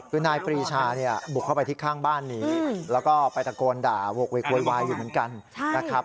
คือนายปรีชาเนี่ยบุกเข้าไปที่ข้างบ้านนี้แล้วก็ไปตะโกนด่าโหกเวกโวยวายอยู่เหมือนกันนะครับ